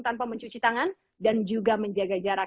tanpa mencuci tangan dan juga menjaga jarak